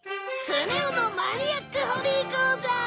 「スネ夫のマニアックホビー講座！」